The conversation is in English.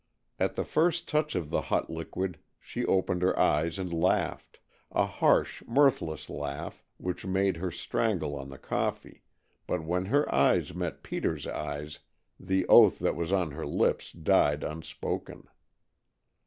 At the first touch of the hot liquid she opened her eyes and laughed; a harsh, mirthless laugh, which made her strangle on the coffee, but when her eyes met Peter's eyes, the oath that was on her lips died unspoken.